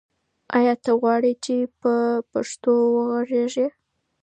آیا ته غواړې چې په پښتو وغږېږې؟